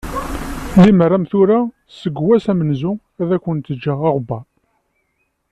Limer am tura seg wass amenzu ad ak-d-ǧǧeɣ aɣebbar.